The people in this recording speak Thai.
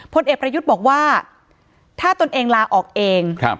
พลเอกประยุทธ์บอกว่าถ้าตนเองลาออกเอง